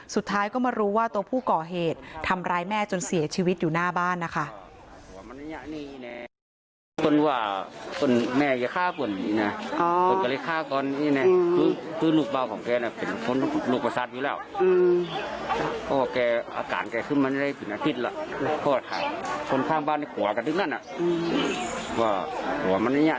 สุดท้ายก็มารู้ว่าตัวผู้ก่อเหตุทำร้ายแม่จนเสียชีวิตอยู่หน้าบ้านนะคะ